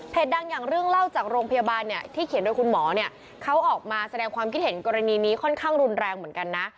ดังอย่างเรื่องเล่าจากโรงพยาบาลเนี่ยที่เขียนโดยคุณหมอเนี่ยเขาออกมาแสดงความคิดเห็นกรณีนี้ค่อนข้างรุนแรงเหมือนกันนะ